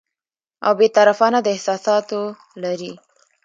او بې طرفانه، د احساساتو لرې